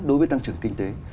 đối với tăng trưởng kinh tế